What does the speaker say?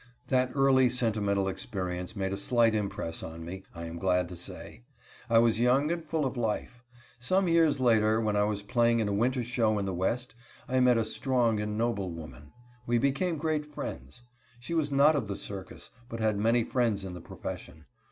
That early sentimental experience made a slight impress on me, I am glad to say. I was young and full of life. Some years later, when I was playing in a winter show in the West, I met a strong and noble woman. We became great friends. She was not of the circus, but had many friends in the profession.